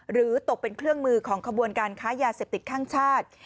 หรือตกเป็นเครื่องมือของขบวนการค้ายาเสพติดข้างชาติ